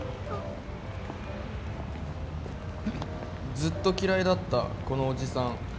「ずっと嫌いだったこのおじさん」